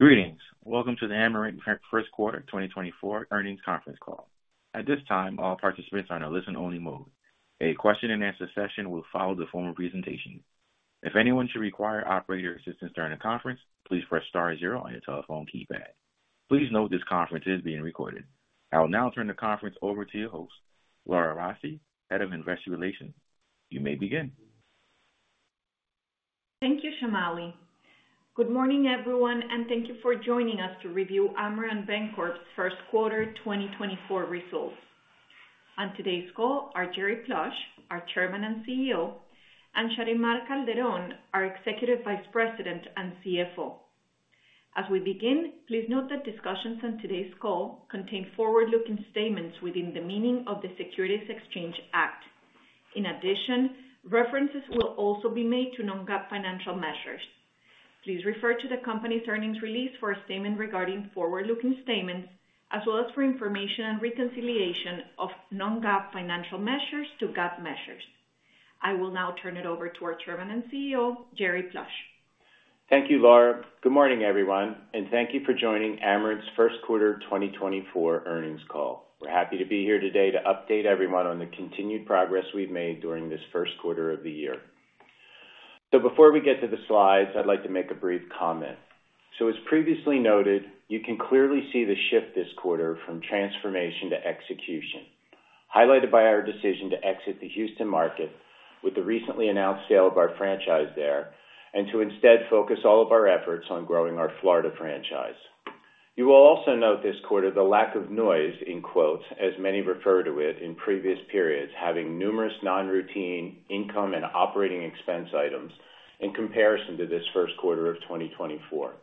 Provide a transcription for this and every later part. Greetings. Welcome to the Amerant Bancorp First Quarter 2024 Earnings Conference Call. At this time, all participants are in a listen-only mode. A question-and-answer session will follow the formal presentation. If anyone should require operator assistance during the conference, please press star zero on your telephone keypad. Please note this conference is being recorded. I will now turn the conference over to your host, Laura Rossi, Head of Investor Relations. You may begin. Thank you, Shamali. Good morning, everyone, and thank you for joining us to review Amerant Bancorp's First Quarter 2024 Results. On today's call are Jerry Plush, our Chairman and CEO, and Sharymar Calderón, our Executive Vice President and CFO. As we begin, please note that discussions on today's call contain forward-looking statements within the meaning of the Securities Exchange Act. In addition, references will also be made to non-GAAP financial measures. Please refer to the company's earnings release for a statement regarding forward-looking statements, as well as for information on reconciliation of non-GAAP financial measures to GAAP measures. I will now turn it over to our Chairman and CEO, Jerry Plush. Thank you, Laura. Good morning, everyone, and thank you for joining Amerant's First Quarter 2024 Earnings Call. We're happy to be here today to update everyone on the continued progress we've made during this first quarter of the year. So before we get to the slides, I'd like to make a brief comment. So as previously noted, you can clearly see the shift this quarter from transformation to execution, highlighted by our decision to exit the Houston market with the recently announced sale of our franchise there and to instead focus all of our efforts on growing our Florida franchise. You will also note this quarter the lack of "noise" as many refer to it in previous periods, having numerous non-routine income and operating expense items in comparison to this first quarter of 2024.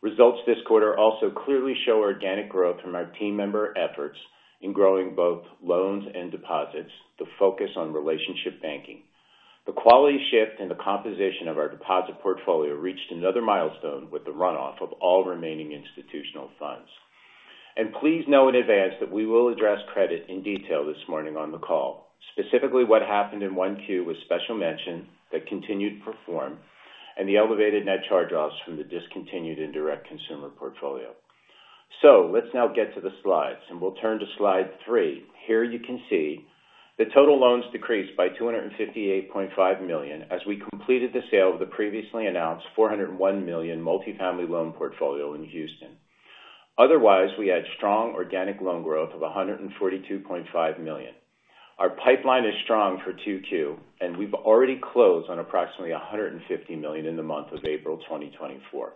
Results this quarter also clearly show organic growth from our team member efforts in growing both loans and deposits, the focus on relationship banking. The quality shift in the composition of our deposit portfolio reached another milestone with the runoff of all remaining institutional funds. Please know in advance that we will address credit in detail this morning on the call, specifically what happened in 1Q with special mention that continued to perform and the elevated net charge-offs from the discontinued indirect consumer portfolio. Let's now get to the slides, and we'll turn to slide three. Here you can see the total loans decreased by $258.5 million as we completed the sale of the previously announced $401 million multifamily loan portfolio in Houston. Otherwise, we had strong organic loan growth of $142.5 million. Our pipeline is strong for Q2, and we've already closed on approximately $150 million in the month of April 2024.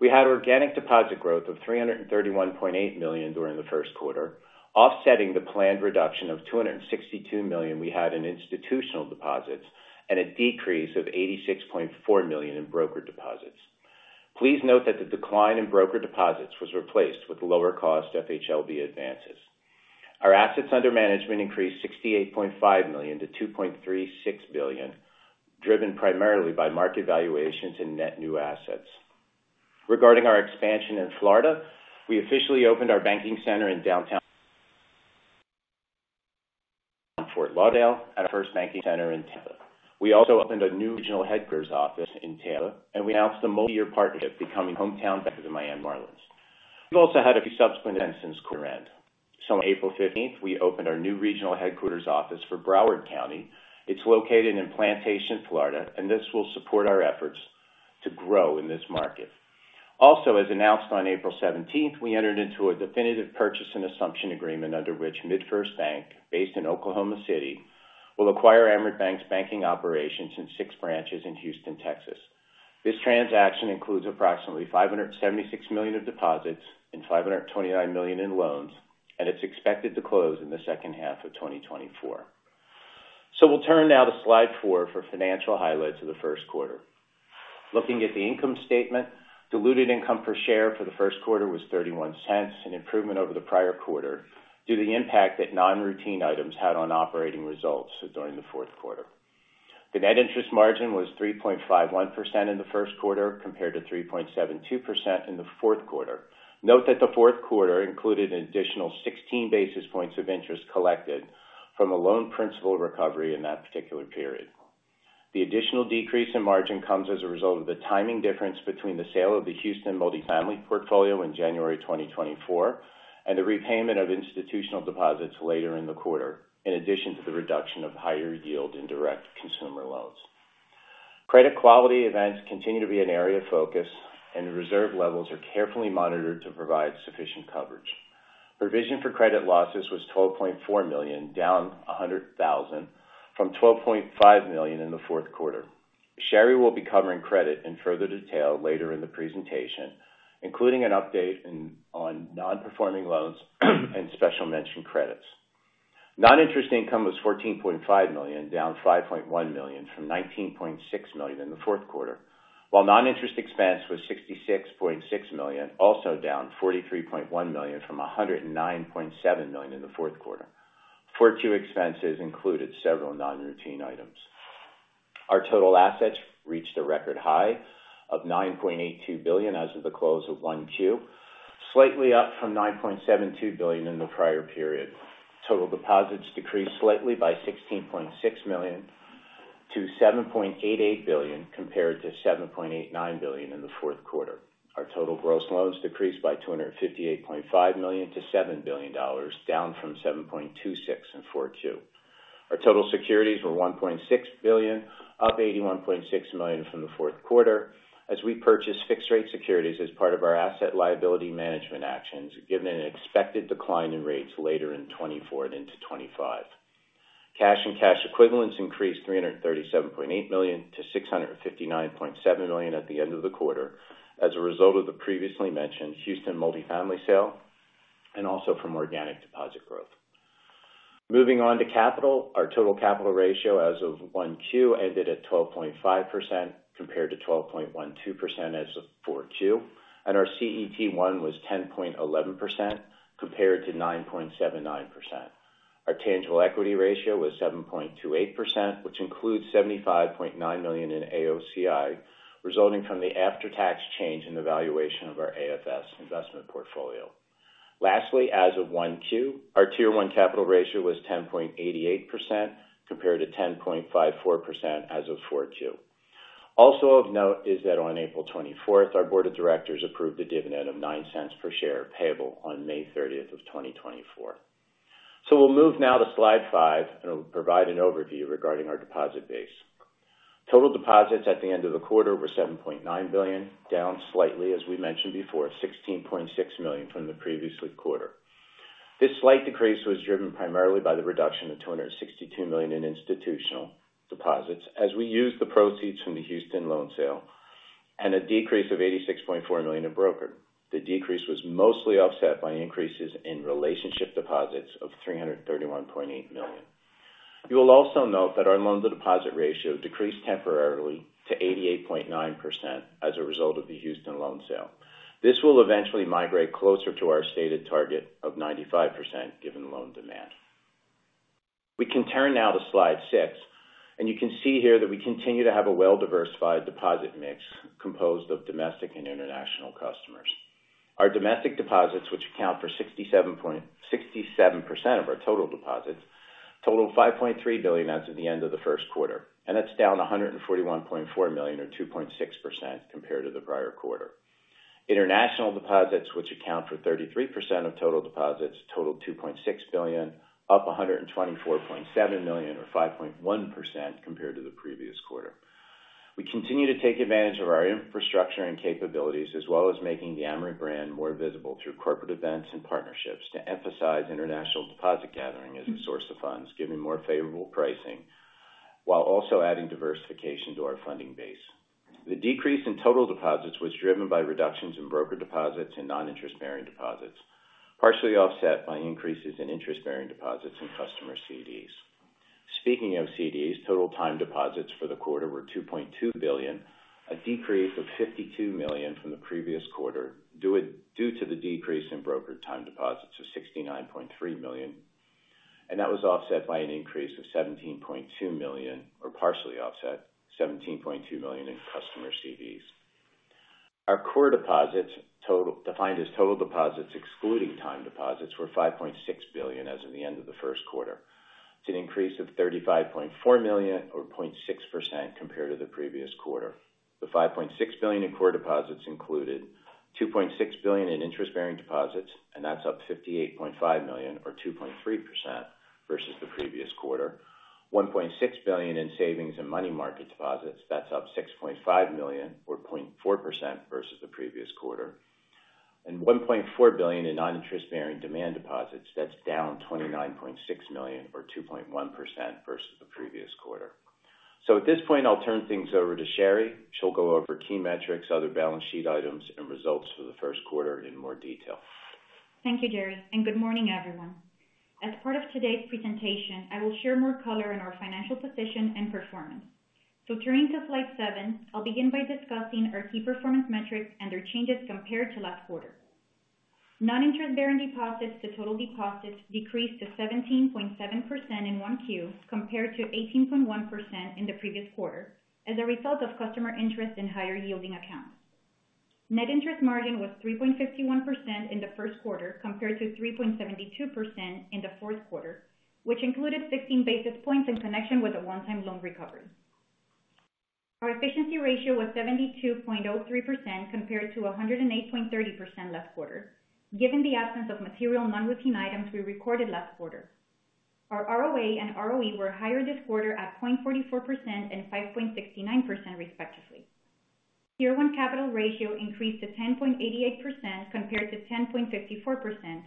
We had organic deposit growth of $331.8 million during the first quarter, offsetting the planned reduction of $262 million we had in institutional deposits and a decrease of $86.4 million in broker deposits. Please note that the decline in broker deposits was replaced with lower-cost FHLB advances. Our assets under management increased $68.5 million-$2.36 billion, driven primarily by market valuations and net new assets. Regarding our expansion in Florida, we officially opened our banking center in downtown Fort Lauderdale and our first banking center in Tampa. We also opened a new regional headquarters office in Tampa, and we announced a multi-year partnership becoming hometown bank of the Miami Marlins. We've also had a few subsequent events since quarter-end. So on April 15th, we opened our new regional headquarters office for Broward County. It's located in Plantation, Florida, and this will support our efforts to grow in this market. Also, as announced on April 17th, we entered into a definitive purchase and assumption agreement under which MidFirst Bank, based in Oklahoma City, will acquire Amerant Bank's banking operations in six branches in Houston, Texas. This transaction includes approximately $576 million in deposits and $529 million in loans, and it's expected to close in the second half of 2024. So we'll turn now to slide four for financial highlights of the first quarter. Looking at the income statement, diluted income per share for the first quarter was $0.31, an improvement over the prior quarter due to the impact that non-routine items had on operating results during the fourth quarter. The net interest margin was 3.51% in the first quarter compared to 3.72% in the fourth quarter. Note that the fourth quarter included an additional 16 basis points of interest collected from a loan principal recovery in that particular period. The additional decrease in margin comes as a result of the timing difference between the sale of the Houston multifamily portfolio in January 2024 and the repayment of institutional deposits later in the quarter, in addition to the reduction of higher-yield indirect consumer loans. Credit quality events continue to be an area of focus, and reserve levels are carefully monitored to provide sufficient coverage. Provision for credit losses was $12.4 million, down $100,000, from $12.5 million in the fourth quarter. Shary will be covering credit in further detail later in the presentation, including an update on non-performing loans and special mention credits. Non-interest income was $14.5 million, down $5.1 million from $19.6 million in the fourth quarter, while non-interest expense was $66.6 million, also down $43.1 million from $109.7 million in the fourth quarter. Q4 expenses included several non-routine items. Our total assets reached a record high of $9.82 billion as of the close of Q1, slightly up from $9.72 billion in the prior period. Total deposits decreased slightly by $16.6 million-$7.88 billion compared to $7.89 billion in the fourth quarter. Our total gross loans decreased by $258.5 million-$7 billion, down from $7.26 billion in Q4. Our total securities were $1.6 billion, up $81.6 million from the fourth quarter, as we purchased fixed-rate securities as part of our asset liability management actions given an expected decline in rates later in 2024 and into 2025. Cash and cash equivalents increased $337.8 million-$659.7 million at the end of the quarter as a result of the previously mentioned Houston multifamily sale and also from organic deposit growth. Moving on to capital, our total capital ratio as of 1Q ended at 12.5% compared to 12.12% as of 4Q, and our CET1 was 10.11% compared to 9.79%. Our tangible equity ratio was 7.28%, which includes $75.9 million in AOCI, resulting from the after-tax change in the valuation of our AFS investment portfolio. Lastly, as of 1Q, our tier one capital ratio was 10.88% compared to 10.54% as of 4Q. Also of note is that on April 24th, our board of directors approved a dividend of $0.09 per share payable on May 30th of 2024. So we'll move now to slide five, and I'll provide an overview regarding our deposit base. Total deposits at the end of the quarter were $7.9 billion, down slightly, as we mentioned before, $16.6 million from the previous quarter. This slight decrease was driven primarily by the reduction of $262 million in institutional deposits as we used the proceeds from the Houston loan sale and a decrease of $86.4 million in broker. The decrease was mostly offset by increases in relationship deposits of $331.8 million. You will also note that our loan-to-deposit ratio decreased temporarily to 88.9% as a result of the Houston loan sale. This will eventually migrate closer to our stated target of 95% given loan demand. We can turn now to slide six, and you can see here that we continue to have a well-diversified deposit mix composed of domestic and international customers. Our domestic deposits, which account for 67% of our total deposits, totaled $5.3 billion as of the end of the first quarter, and that's down $141.4 million or 2.6% compared to the prior quarter. International deposits, which account for 33% of total deposits, totaled $2.6 billion, up $124.7 million or 5.1% compared to the previous quarter. We continue to take advantage of our infrastructure and capabilities as well as making the Amerant brand more visible through corporate events and partnerships to emphasize international deposit gathering as a source of funds, giving more favorable pricing while also adding diversification to our funding base. The decrease in total deposits was driven by reductions in broker deposits and non-interest bearing deposits, partially offset by increases in interest bearing deposits and customer CDs. Speaking of CDs, total time deposits for the quarter were $2.2 billion, a decrease of $52 million from the previous quarter due to the decrease in broker time deposits of $69.3 million, and that was offset by an increase of $17.2 million or partially offset $17.2 million in customer CDs. Our core deposits, defined as total deposits excluding time deposits, were $5.6 billion as of the end of the first quarter. It's an increase of $35.4 million or 0.6% compared to the previous quarter. The $5.6 billion in core deposits included $2.6 billion in interest bearing deposits, and that's up $58.5 million or 2.3% versus the previous quarter. $1.6 billion in savings and money market deposits, that's up $6.5 million or 0.4% versus the previous quarter. $1.4 billion in non-interest bearing demand deposits, that's down $29.6 million or 2.1% versus the previous quarter. At this point, I'll turn things over to Shary. She'll go over key metrics, other balance sheet items, and results for the first quarter in more detail. Thank you, Jerry, and good morning, everyone. As part of today's presentation, I will share more color on our financial position and performance. So turning to slide seven, I'll begin by discussing our key performance metrics and their changes compared to last quarter. Non-interest bearing deposits to total deposits decreased to 17.7% in Q1 compared to 18.1% in the previous quarter as a result of customer interest in higher-yielding accounts. Net interest margin was 3.51% in the first quarter compared to 3.72% in the fourth quarter, which included 16 basis points in connection with a one-time loan recovery. Our efficiency ratio was 72.03% compared to 108.30% last quarter, given the absence of material non-routine items we recorded last quarter. Our ROA and ROE were higher this quarter at 0.44% and 5.69% respectively. Tier 1 capital ratio increased to 10.88% compared to 10.54%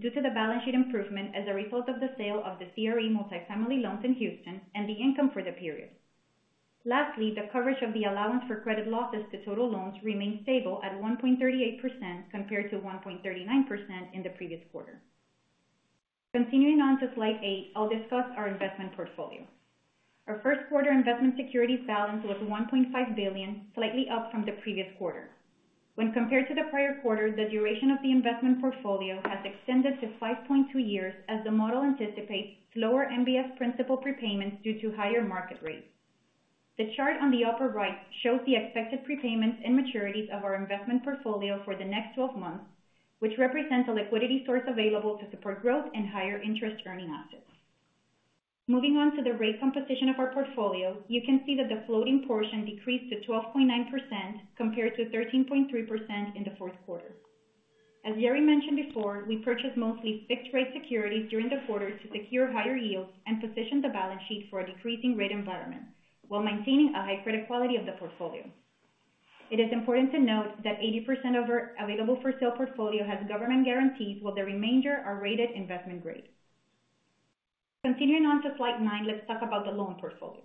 due to the balance sheet improvement as a result of the sale of the CRE multifamily loans in Houston and the income for the period. Lastly, the coverage of the allowance for credit losses to total loans remained stable at 1.38% compared to 1.39% in the previous quarter. Continuing on to slide eight, I'll discuss our investment portfolio. Our first quarter investment securities balance was $1.5 billion, slightly up from the previous quarter. When compared to the prior quarter, the duration of the investment portfolio has extended to 5.2 years as the model anticipates slower MBS principal prepayments due to higher market rates. The chart on the upper right shows the expected prepayments and maturities of our investment portfolio for the next 12 months, which represent a liquidity source available to support growth and higher interest earning assets. Moving on to the rate composition of our portfolio, you can see that the floating portion decreased to 12.9% compared to 13.3% in the fourth quarter. As Jerry mentioned before, we purchased mostly fixed-rate securities during the quarter to secure higher yields and position the balance sheet for a decreasing-rate environment while maintaining a high credit quality of the portfolio. It is important to note that 80% of our available-for-sale portfolio has government guarantees, while the remainder are rated investment grade. Continuing on to slide nine, let's talk about the loan portfolio.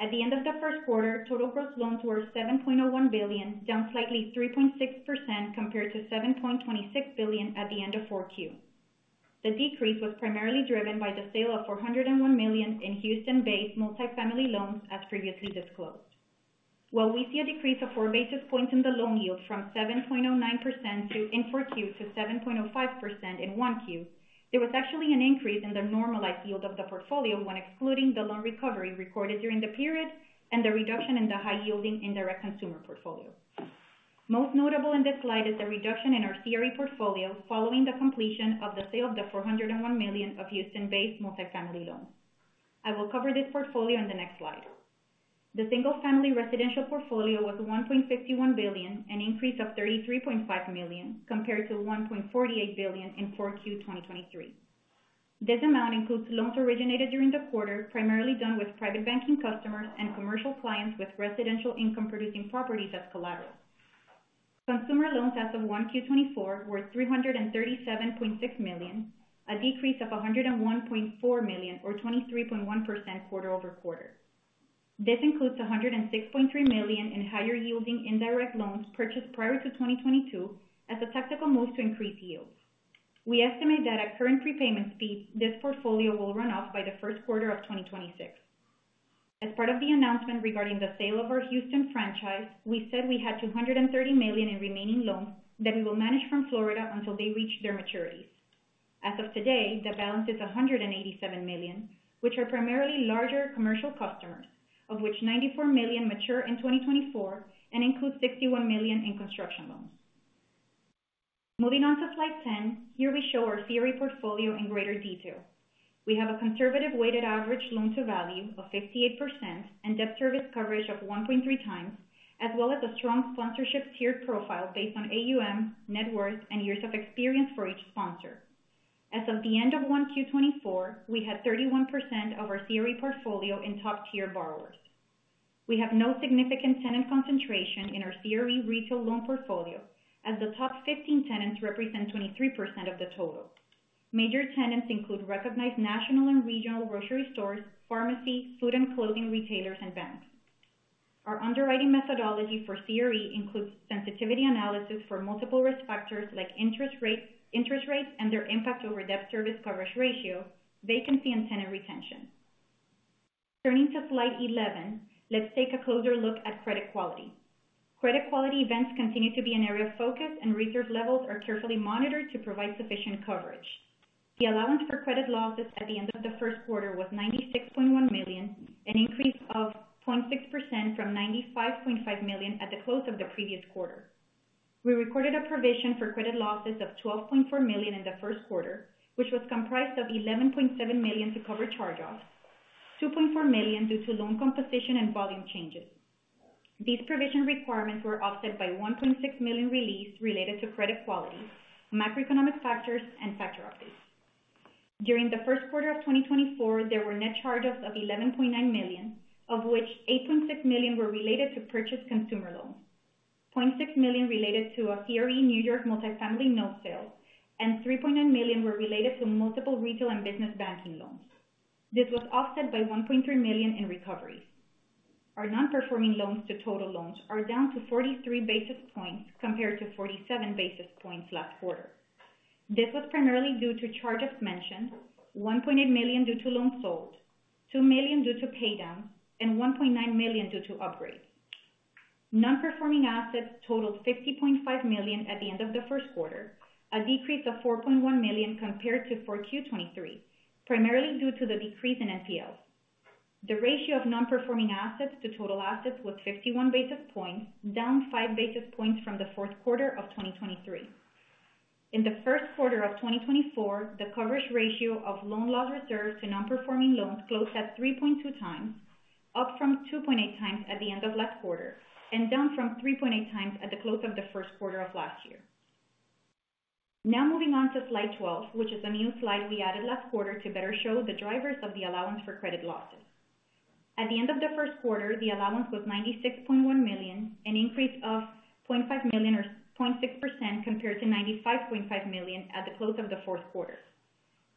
At the end of the first quarter, total gross loans were $7.01 billion, down slightly 3.6% compared to $7.26 billion at the end of fourth quarter. The decrease was primarily driven by the sale of $401 million in Houston-based multifamily loans, as previously disclosed. While we see a decrease of four basis points in the loan yield from 7.09% in Q4 to 7.05% in Q1, there was actually an increase in the normalized yield of the portfolio when excluding the loan recovery recorded during the period and the reduction in the high-yielding indirect consumer portfolio. Most notable in this slide is the reduction in our CRE portfolio following the completion of the sale of the $401 million of Houston-based multifamily loans. I will cover this portfolio in the next slide. The single-family residential portfolio was $1.51 billion, an increase of $33.5 million compared to $1.48 billion in Q4 2023. This amount includes loans originated during the quarter, primarily done with private banking customers and commercial clients with residential income-producing properties as collateral. Consumer loans as of Q1 2024 were $337.6 million, a decrease of $101.4 million or 23.1% quarter-over-quarter. This includes $106.3 million in higher-yielding indirect loans purchased prior to 2022 as a tactical move to increase yields. We estimate that at current prepayment speeds, this portfolio will run off by the first quarter of 2026. As part of the announcement regarding the sale of our Houston franchise, we said we had $230 million in remaining loans that we will manage from Florida until they reach their maturities. As of today, the balance is $187 million, which are primarily larger commercial customers, of which $94 million mature in 2024 and include $61 million in construction loans. Moving on to slide 10, here we show our CRE portfolio in greater detail. We have a conservative weighted average loan-to-value of 58% and debt service coverage of 1.3x, as well as a strong sponsorship tiered profile based on AUM, net worth, and years of experience for each sponsor. As of the end of 1Q 2024, we had 31% of our CRE portfolio in top-tier borrowers. We have no significant tenant concentration in our CRE retail loan portfolio, as the top 15 tenants represent 23% of the total. Major tenants include recognized national and regional grocery stores, pharmacy, food and clothing retailers, and banks. Our underwriting methodology for CRE includes sensitivity analysis for multiple risk factors like interest rates and their impact over debt service coverage ratio, vacancy, and tenant retention. Turning to slide 11, let's take a closer look at credit quality. Credit quality events continue to be an area of focus, and reserve levels are carefully monitored to provide sufficient coverage. The allowance for credit losses at the end of the first quarter was $96.1 million, an increase of 0.6% from $95.5 million at the close of the previous quarter. We recorded a provision for credit losses of $12.4 million in the first quarter, which was comprised of $11.7 million to cover charge-offs, $2.4 million due to loan composition and volume changes. These provision requirements were offset by $1.6 million released related to credit quality, macroeconomic factors, and factor updates. During the first quarter of 2024, there were net charge-offs of $11.9 million, of which $8.6 million were related to purchased consumer loans, $0.6 million related to a CRE New York multifamily note sale, and $3.9 million were related to multiple retail and business banking loans. This was offset by $1.3 million in recoveries. Our non-performing loans to total loans are down to 43 basis points compared to 47 basis points last quarter. This was primarily due to charge-offs mentioned, $1.8 million due to loans sold, $2 million due to paydowns, and $1.9 million due to upgrades. Non-performing assets totaled $50.5 million at the end of the first quarter, a decrease of $4.1 million compared to Q4 2023, primarily due to the decrease in NPLs. The ratio of non-performing assets to total assets was 51 basis points, down 5 basis points from the fourth quarter of 2023. In the first quarter of 2024, the coverage ratio of loan loss reserves to non-performing loans closed at 3.2x, up from 2.8x at the end of last quarter, and down from 3.8x at the close of the first quarter of last year. Now moving on to slide 12, which is a new slide we added last quarter to better show the drivers of the allowance for credit losses. At the end of the first quarter, the allowance was $96.1 million, an increase of $0.5 million or 0.6% compared to $95.5 million at the close of the fourth quarter.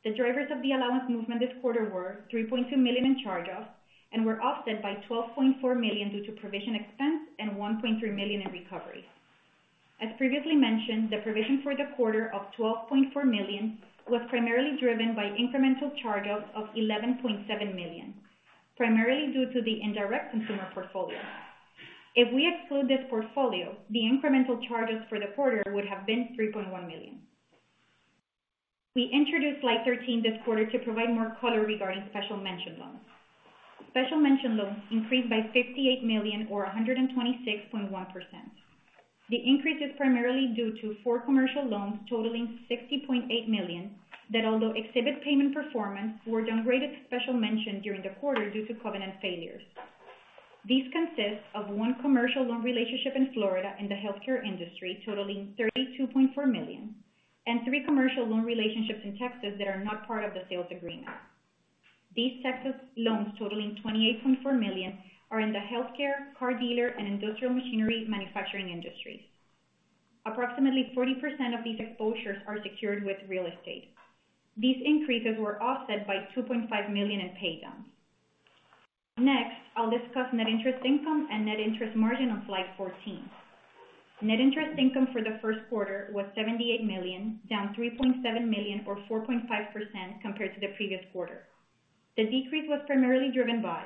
The drivers of the allowance movement this quarter were $3.2 million in charge-offs and were offset by $12.4 million due to provision expense and $1.3 million in recoveries. As previously mentioned, the provision for the quarter of $12.4 million was primarily driven by incremental charge-offs of $11.7 million, primarily due to the indirect consumer portfolio. If we exclude this portfolio, the incremental charge-offs for the quarter would have been $3.1 million. We introduced slide 13 this quarter to provide more color regarding special mention loans. Special mention loans increased by $58 million or 126.1%. The increase is primarily due to four commercial loans totaling $60.8 million that, although exhibit payment performance, were downgraded to special mention during the quarter due to covenant failures. These consist of one commercial loan relationship in Florida in the healthcare industry totaling $32.4 million and three commercial loan relationships in Texas that are not part of the sales agreement. These Texas loans totaling $28.4 million are in the healthcare, car dealer, and industrial machinery manufacturing industries. Approximately 40% of these exposures are secured with real estate. These increases were offset by $2.5 million in paydowns. Next, I'll discuss net interest income and net interest margin on slide 14. Net interest income for the first quarter was $78 million, down $3.7 million or 4.5% compared to the previous quarter. The decrease was primarily driven by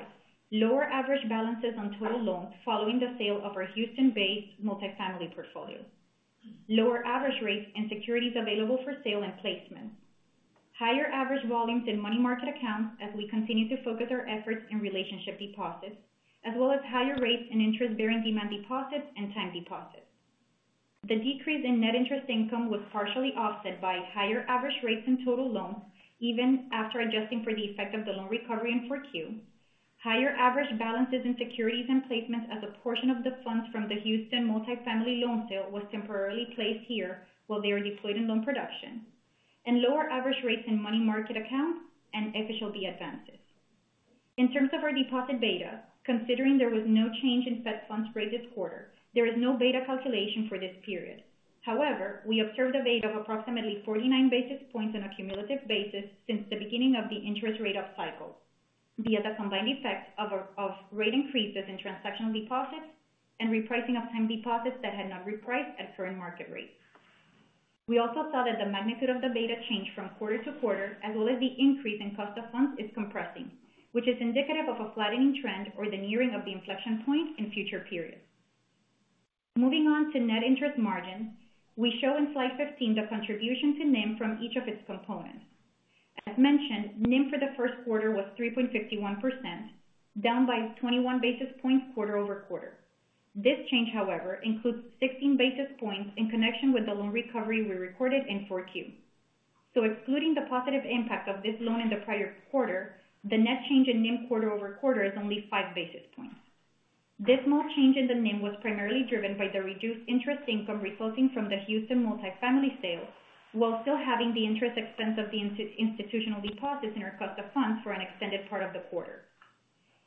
lower average balances on total loans following the sale of our Houston-based multifamily portfolio, lower average rates on securities available for sale and placements, higher average volumes in money market accounts as we continue to focus our efforts in relationship deposits, as well as higher rates on interest-bearing demand deposits and time deposits. The decrease in net interest income was partially offset by higher average rates on total loans, even after adjusting for the effect of the loan recovery in Q4, higher average balances in securities and placements as a portion of the funds from the Houston multifamily loan sale was temporarily placed here while they were deployed in loan production, and lower average rates on money market accounts and FHLB advances. In terms of our deposit beta, considering there was no change in Fed funds rate this quarter, there is no beta calculation for this period. However, we observed a beta of approximately 49 basis points on a cumulative basis since the beginning of the interest rate-up cycle via the combined effect of rate increases in transactional deposits and repricing of time deposits that had not repriced at current market rates. We also saw that the magnitude of the beta change from quarter-to-quarter, as well as the increase in cost of funds, is compressing, which is indicative of a flattening trend or the nearing of the inflection point in future periods. Moving on to net interest margin, we show in slide 15 the contribution to NIM from each of its components. As mentioned, NIM for the first quarter was 3.51%, down by 21 basis points quarter-over-quarter. This change, however, includes 16 basis points in connection with the loan recovery we recorded in Q4. So excluding the positive impact of this loan in the prior quarter, the net change in NIM quarter-over-quarter is only five basis points. This small change in the NIM was primarily driven by the reduced interest income resulting from the Houston multifamily sale, while still having the interest expense of the institutional deposits in our cost of funds for an extended part of the quarter.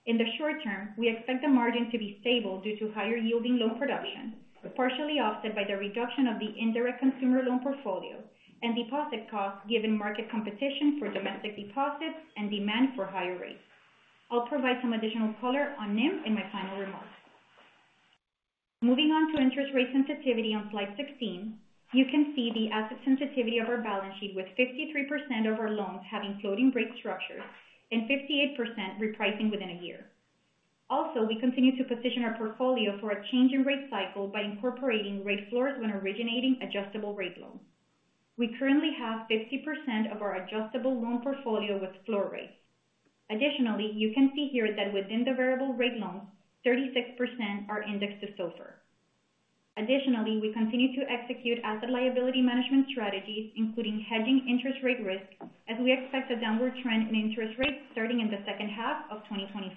In the short term, we expect the margin to be stable due to higher-yielding loan production, partially offset by the reduction of the indirect consumer loan portfolio and deposit costs given market competition for domestic deposits and demand for higher rates. I'll provide some additional color on NIM in my final remarks. Moving on to interest rate sensitivity on slide 16, you can see the asset sensitivity of our balance sheet with 53% of our loans having floating-rate structures and 58% repricing within a year. Also, we continue to position our portfolio for a change in rate cycle by incorporating rate floors when originating adjustable rate loans. We currently have 50% of our adjustable loan portfolio with floor rates. Additionally, you can see here that within the variable rate loans, 36% are indexed to SOFR. Additionally, we continue to execute asset liability management strategies, including hedging interest rate risk, as we expect a downward trend in interest rates starting in the second half of 2024.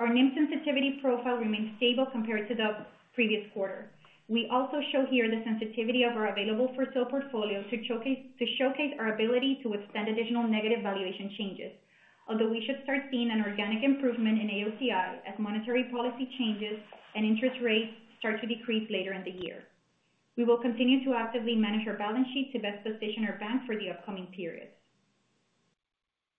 Our NIM sensitivity profile remains stable compared to the previous quarter. We also show here the sensitivity of our available-for-sale portfolio to showcase our ability to withstand additional negative valuation changes, although we should start seeing an organic improvement in AOCI as monetary policy changes and interest rates start to decrease later in the year. We will continue to actively manage our balance sheet to best position our bank for the upcoming period.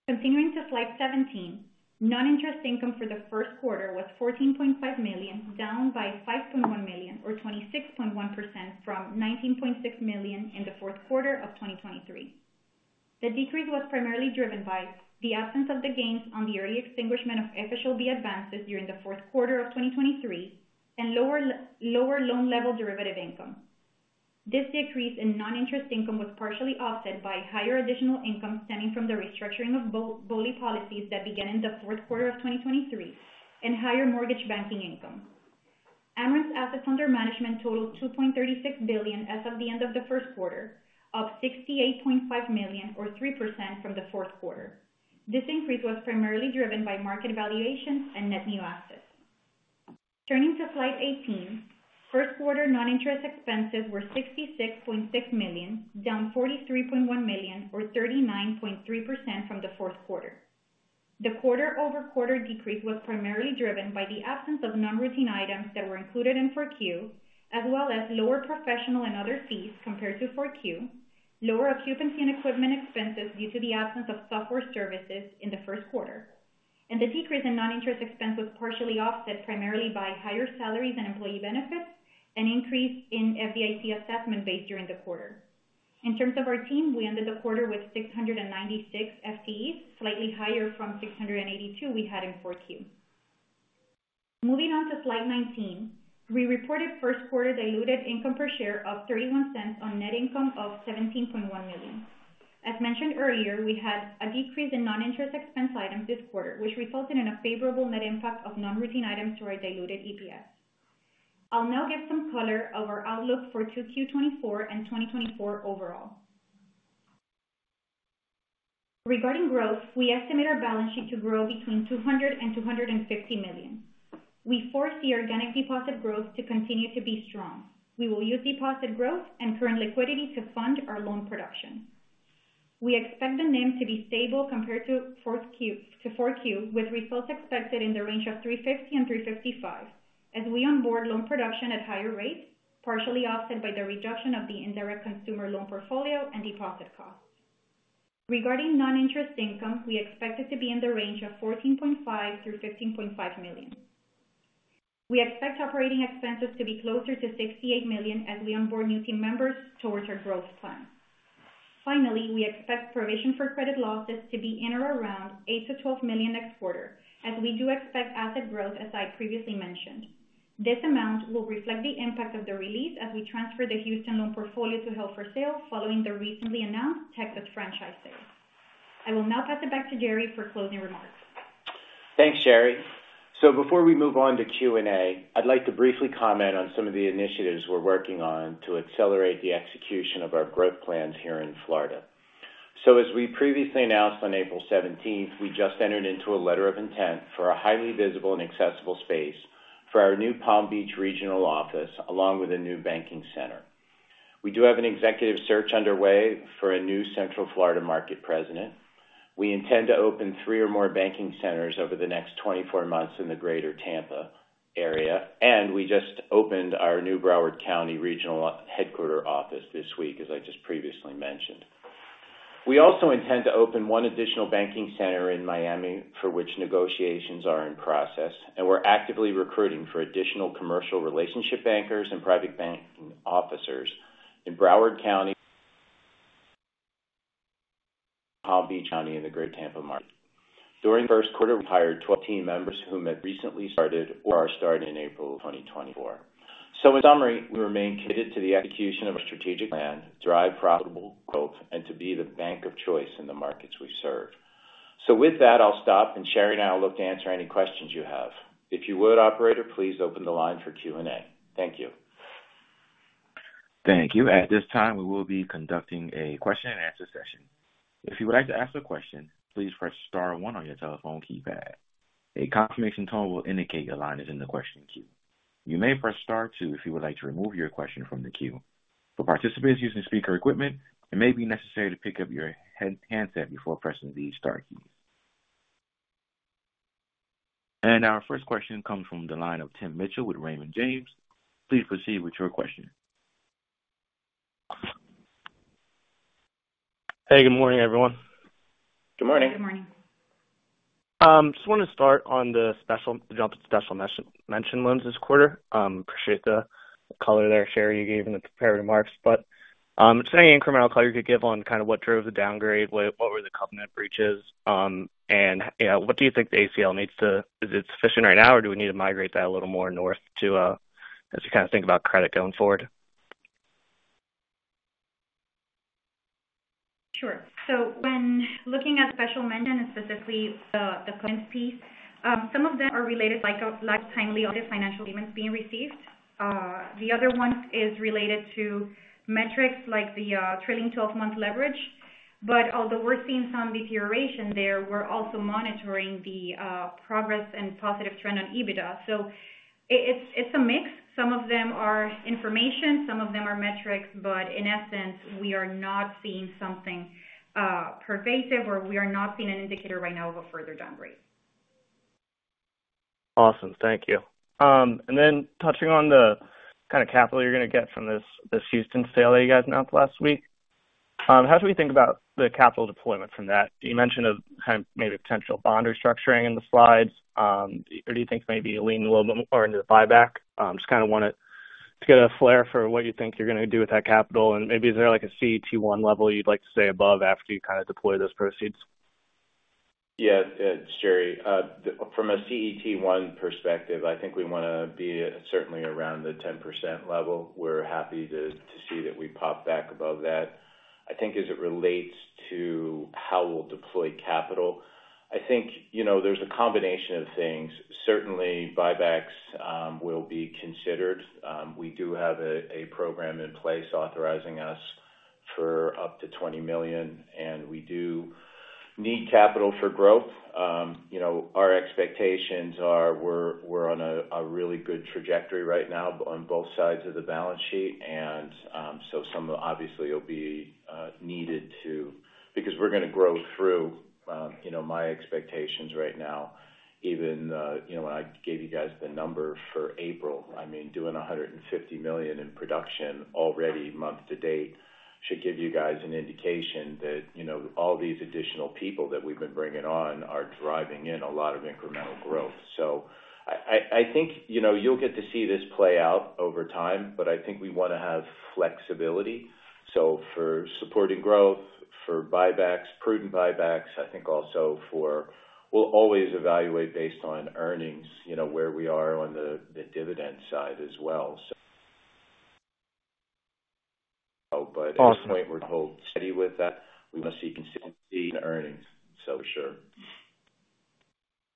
Continuing to Slide 17, non-interest income for the first quarter was $14.5 million, down by $5.1 million or 26.1% from $19.6 million in the fourth quarter of 2023. The decrease was primarily driven by the absence of the gains on the early extinguishment of FHLB advances during the fourth quarter of 2023 and lower loan-level derivative income. This decrease in non-interest income was partially offset by higher additional income stemming from the restructuring of BOLI policies that began in the fourth quarter of 2023 and higher mortgage banking income. Amerant's assets under management totaled $2.36 billion as of the end of the first quarter, up $68.5 million or 3% from the fourth quarter. This increase was primarily driven by market valuations and net new assets. Turning to slide 18, first quarter non-interest expenses were $66.6 million, down $43.1 million or 39.3% from the fourth quarter. The quarter-over-quarter decrease was primarily driven by the absence of non-routine items that were included in fourth quarter, as well as lower professional and other fees compared to fourth quarter, lower occupancy and equipment expenses due to the absence of software services in the first quarter. The decrease in non-interest expense was partially offset primarily by higher salaries and employee benefits and an increase in FDIC assessment base during the quarter. In terms of our team, we ended the quarter with 696 FTEs, slightly higher than 682 we had in 4Q. Moving on to slide 19, we reported first quarter diluted income per share of $0.31 on net income of $17.1 million. As mentioned earlier, we had a decrease in non-interest expense items this quarter, which resulted in a favorable net impact of non-routine items to our diluted EPS. I'll now give some color on our outlook for 2Q 2024 and 2024 overall. Regarding growth, we estimate our balance sheet to grow between $200 million and $250 million. We foresee organic deposit growth to continue to be strong. We will use deposit growth and current liquidity to fund our loan production. We expect the NIM to be stable compared to Q4, with results expected in the range of 3.50%-3.55% as we onboard loan production at higher rates, partially offset by the reduction of the indirect consumer loan portfolio and deposit costs. Regarding non-interest income, we expect it to be in the range of $14.5 million-$15.5 million. We expect operating expenses to be closer to $68 million as we onboard new team members towards our growth plan. Finally, we expect provision for credit losses to be in or around $8 million-$12 million next quarter, as we do expect asset growth, as I previously mentioned. This amount will reflect the impact of the release as we transfer the Houston loan portfolio to held for sale following the recently announced Texas franchise sale. I will now pass it back to Jerry for closing remarks. Thanks, Shary. Before we move on to Q&A, I'd like to briefly comment on some of the initiatives we're working on to accelerate the execution of our growth plans here in Florida. As we previously announced on April 17th, we just entered into a letter of intent for a highly visible and accessible space for our new Palm Beach Regional Office along with a new banking center. We do have an executive search underway for a new Central Florida Market President. We intend to open three or more banking centers over the next 24 months in the greater Tampa area, and we just opened our new Broward County Regional Headquarters Office this week, as I just previously mentioned. We also intend to open one additional banking center in Miami for which negotiations are in process, and we're actively recruiting for additional commercial relationship bankers and private banking officers in Broward County, Palm Beach County, and the great Tampa market. During the first quarter, we hired 12 team members who have recently started or are starting in April 2024. So in summary, we remain committed to the execution of our strategic plan, drive profitable growth, and to be the bank of choice in the markets we serve. So with that, I'll stop, and Shary and I will look to answer any questions you have. If you would, Operator, please open the line for Q&A. Thank you. Thank you. At this time, we will be conducting a question-and-answer session. If you would like to ask a question, please press star one on your telephone keypad. A confirmation tone will indicate your line is in the question queue. You may press star two if you would like to remove your question from the queue. For participants using speaker equipment, it may be necessary to pick up your handset before pressing these star keys. Our first question comes from the line of Tim Mitchell with Raymond James. Please proceed with your question. Hey, good morning, everyone. Good morning. Good morning. I just want to start on the special mention loans this quarter. Appreciate the color there, Shary, you gave in the prepared remarks. Just any incremental color you could give on kind of what drove the downgrade, what were the covenant breaches, and what do you think the ACL needs to—is it sufficient right now, or do we need to migrate that a little more north as you kind of think about credit going forward? Sure. So when looking at Special Mention and specifically the covenants piece, some of them are related to lifetime-loan financial payments being received. The other one is related to metrics like the trailing 12-month leverage. But although we're seeing some deterioration there, we're also monitoring the progress and positive trend on EBITDA. So it's a mix. Some of them are information, some of them are metrics, but in essence, we are not seeing something pervasive, or we are not seeing an indicator right now of a further downgrade. Awesome. Thank you. And then touching on the kind of capital you're going to get from this Houston sale that you guys announced last week, how should we think about the capital deployment from that? You mentioned maybe potential bond restructuring in the slides. Or do you think maybe lean a little bit more into the buyback? Just kind of wanted to get a flavor for what you think you're going to do with that capital. And maybe is there a CET1 level you'd like to stay above after you kind of deploy those proceeds? Yeah, Shary. From a CET1 perspective, I think we want to be certainly around the 10% level. We're happy to see that we pop back above that. I think as it relates to how we'll deploy capital, I think there's a combination of things. Certainly, buybacks will be considered. We do have a program in place authorizing us for up to $20 million, and we do need capital for growth. Our expectations are we're on a really good trajectory right now on both sides of the balance sheet, and so some obviously will be needed to because we're going to grow through my expectations right now. Even when I gave you guys the number for April, I mean, doing $150 million in production already month to date should give you guys an indication that all these additional people that we've been bringing on are driving in a lot of incremental growth. So I think you'll get to see this play out over time, but I think we want to have flexibility. So for supporting growth, for prudent buybacks, I think also for we'll always evaluate based on earnings, where we are on the dividend side as well. But at this point, we're going to hold steady with that. We want to see consistency in earnings, so for sure.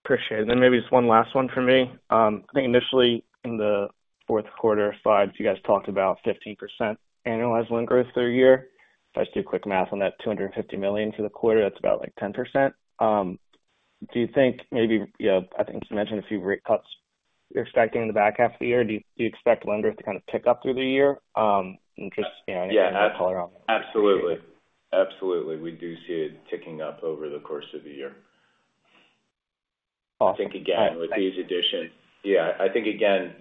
Appreciate it. And then maybe just one last one for me. I think initially in the fourth quarter slides, you guys talked about 15% annualized loan growth through the year. If I just do a quick math on that, $250 million for the quarter, that's about 10%. Do you think maybe I think you mentioned a few rate cuts you're expecting in the back half of the year. Do you expect loan growth to kind of pick up through the year? Just any color on that. Yeah, absolutely. Absolutely. We do see it ticking up over the course of the year. I think again, with these additions yeah, I think again,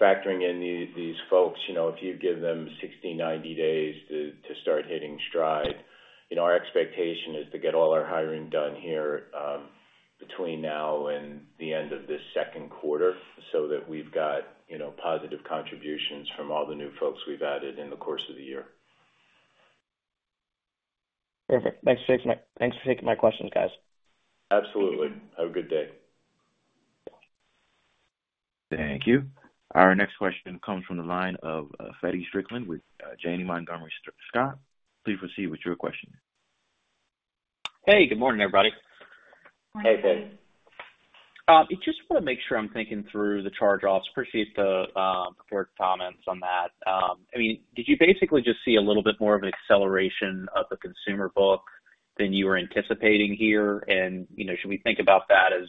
factoring in these folks, if you give them 60, 90 days to start hitting stride, our expectation is to get all our hiring done here between now and the end of this second quarter so that we've got positive contributions from all the new folks we've added in the course of the year. Perfect. Thanks for taking my questions, guys. Absolutely. Have a good day. Thank you. Our next question comes from the line of Feddie Strickland with Janney Montgomery Scott. Please proceed with your question. Hey, good morning, everybody. Hey, Feddie. I just want to make sure I'm thinking through the charge-offs. Appreciate the prepared comments on that. I mean, did you basically just see a little bit more of an acceleration of the consumer book than you were anticipating here? And should we think about that as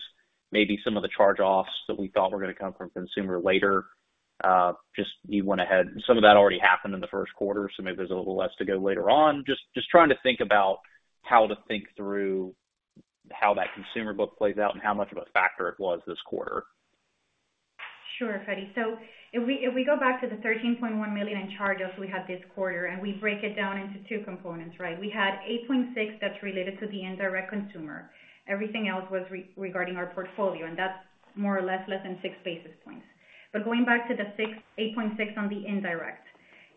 maybe some of the charge-offs that we thought were going to come from consumer later, just you went ahead some of that already happened in the first quarter, so maybe there's a little less to go later on? Just trying to think about how to think through how that consumer book plays out and how much of a factor it was this quarter. Sure, Feddie. So if we go back to the $13.1 million in charge-offs we had this quarter, and we break it down into two components, right? We had $8.6 million that's related to the indirect consumer. Everything else was regarding our portfolio, and that's more or less less than six basis points. But going back to the $8.6 million on the indirect,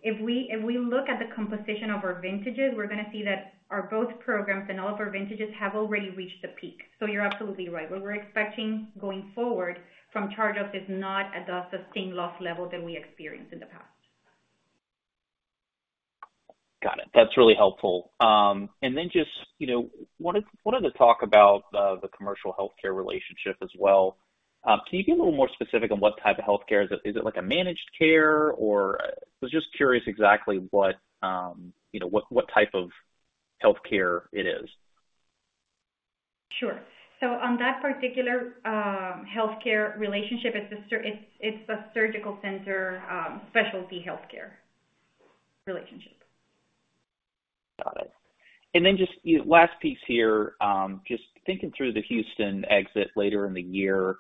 if we look at the composition of our vintages, we're going to see that both programs and all of our vintages have already reached the peak. So you're absolutely right. What we're expecting going forward from charge-offs is not at the sustained loss level that we experienced in the past. Got it. That's really helpful. And then just wanted to talk about the commercial healthcare relationship as well. Can you be a little more specific on what type of healthcare is it? Is it a managed care, or? I was just curious exactly what type of healthcare it is. Sure. So on that particular healthcare relationship, it's a surgical center specialty healthcare relationship. Got it. Then just last piece here, just thinking through the Houston exit later in the year,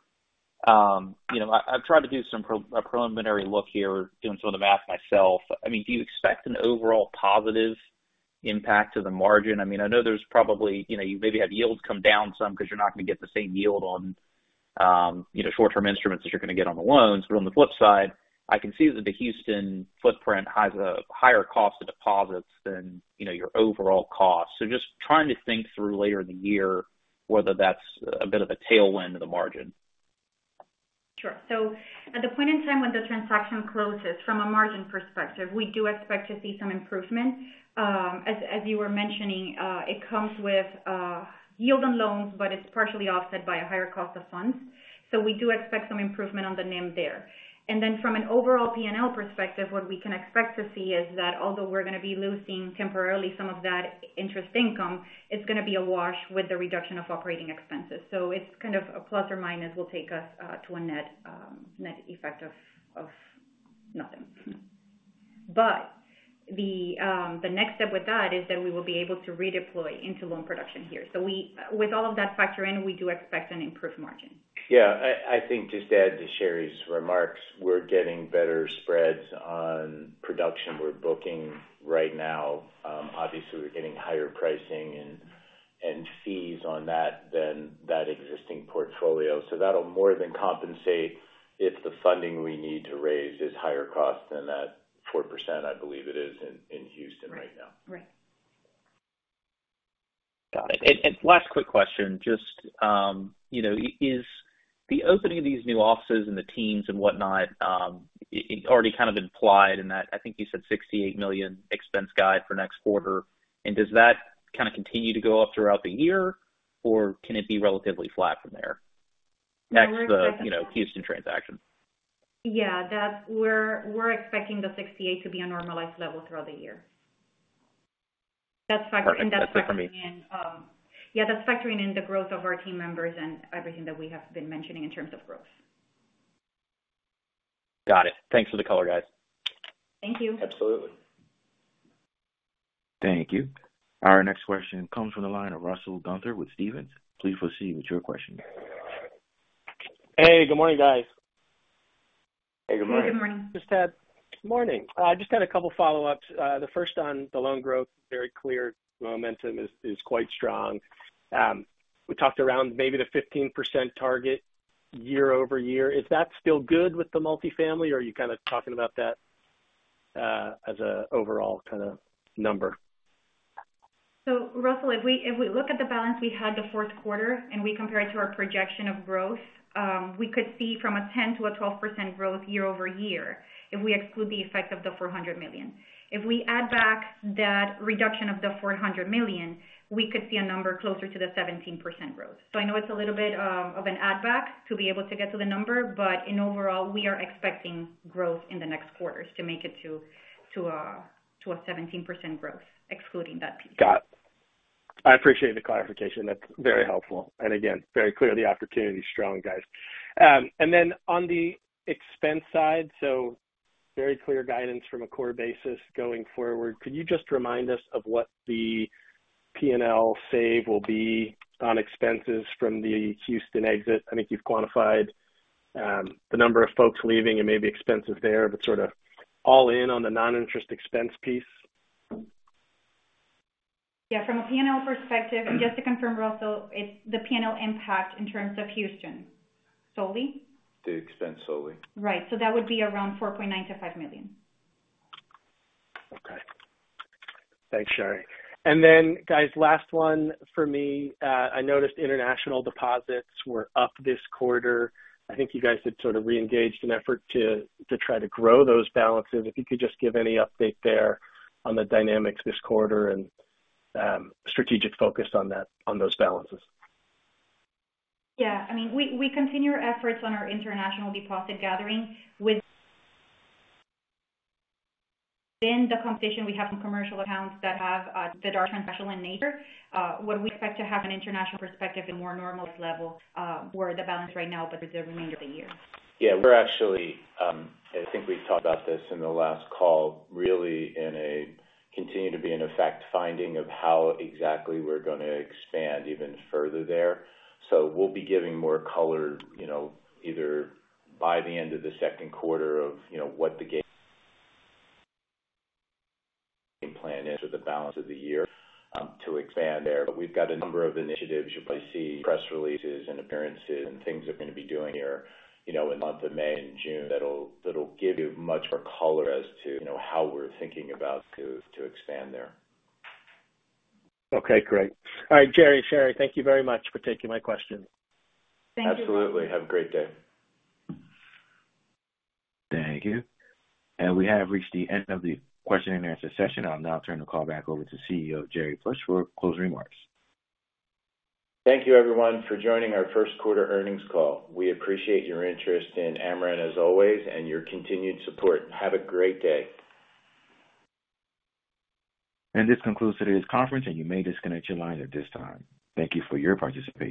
I've tried to do a preliminary look here, doing some of the math myself. I mean, do you expect an overall positive impact to the margin? I mean, I know there's probably you maybe have yields come down some because you're not going to get the same yield on short-term instruments as you're going to get on the loans. But on the flip side, I can see that the Houston footprint has a higher cost of deposits than your overall cost. Just trying to think through later in the year whether that's a bit of a tailwind to the margin. Sure. So at the point in time when the transaction closes, from a margin perspective, we do expect to see some improvement. As you were mentioning, it comes with yield on loans, but it's partially offset by a higher cost of funds. So we do expect some improvement on the NIM there. And then from an overall P&L perspective, what we can expect to see is that although we're going to be losing temporarily some of that interest income, it's going to be a wash with the reduction of operating expenses. So it's kind of a plus or minus will take us to a net effect of nothing. But the next step with that is that we will be able to redeploy into loan production here. So with all of that factor in, we do expect an improved margin. Yeah. I think just to add to Shary's remarks, we're getting better spreads on production we're booking right now. Obviously, we're getting higher pricing and fees on that than that existing portfolio. So that'll more than compensate if the funding we need to raise is higher cost than that 4%, I believe it is, in Houston right now. Right. Right. Got it. Last quick question, just is the opening of these new offices and the teams and whatnot already kind of implied in that I think you said $68 million expense guide for next quarter. Does that kind of continue to go up throughout the year, or can it be relatively flat from there next Houston transaction? Yeah. We're expecting the 68 to be a normalized level throughout the year. And that's factoring in yeah, that's factoring in the growth of our team members and everything that we have been mentioning in terms of growth. Got it. Thanks for the color, guys. Thank you. Absolutely. Thank you. Our next question comes from the line of Russell Gunther with Stephens. Please proceed with your question. Hey, good morning, guys. Hey, good morning. Hey, good morning. Good morning. I just had a couple of follow-ups. The first on the loan growth, very clear momentum is quite strong. We talked around maybe the 15% target year-over-year. Is that still good with the multifamily, or are you kind of talking about that as an overall kind of number? So Russell, if we look at the balance we had the fourth quarter and we compare it to our projection of growth, we could see from a 10%-12% growth year-over-year if we exclude the effect of the $400 million. If we add back that reduction of the $400 million, we could see a number closer to the 17% growth. So I know it's a little bit of an add-back to be able to get to the number, but in overall, we are expecting growth in the next quarters to make it to a 17% growth excluding that piece. Got it. I appreciate the clarification. That's very helpful. And again, very clear, the opportunity is strong, guys. And then on the expense side, so very clear guidance from a core basis going forward. Could you just remind us of what the P&L save will be on expenses from the Houston exit? I think you've quantified the number of folks leaving and maybe expenses there, but sort of all in on the non-interest expense piece. Yeah. From a P&L perspective, and just to confirm, Russell, it's the P&L impact in terms of Houston solely? The expense solely. Right. So that would be around $4.9 million-$5 million. Okay. Thanks, Shary. And then, guys, last one for me. I noticed international deposits were up this quarter. I think you guys had sort of reengaged an effort to try to grow those balances. If you could just give any update there on the dynamics this quarter and strategic focus on those balances? Yeah. I mean, we continue our efforts on our international deposit gathering. Within the competition, we have some commercial accounts that are transactional in nature. What we expect to have an international perspective at a more normalized level where the balance right now, but for the remainder of the year. Yeah. We're actually, and I think we've talked about this in the last call, really continue to be in effect finding of how exactly we're going to expand even further there. So we'll be giving more color either by the end of the second quarter of what the game plan is or the balance of the year to expand there. But we've got a number of initiatives. You'll probably see press releases and appearances and things that we're going to be doing here in the month of May and June that'll give you much more color as to how we're thinking about to expand there. Okay. Great. All right, Jerry, Shary, thank you very much for taking my question. Thank you. Absolutely. Have a great day. Thank you. We have reached the end of the question-and-answer session. I'll now turn the call back over to CEO Jerry Plush for closing remarks. Thank you, everyone, for joining our first quarter earnings call. We appreciate your interest in Amerant as always and your continued support. Have a great day. This concludes today's conference, and you may disconnect your lines at this time. Thank you for your participation.